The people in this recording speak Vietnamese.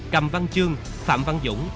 cầm văn chương phạm văn dũng